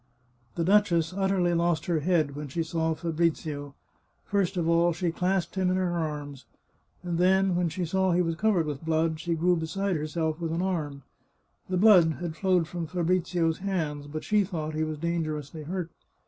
The duchess utterly lost her head when she saw Fabrizio. First of all she clasped him in her arms, and then, when she saw he was covered with blood, she grew beside herself with alarm. The blood had flowed from Fabrizio's hands, but she thought he was dangerously hurt.